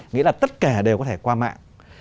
nghĩa là tất cả đều có thể qua mạng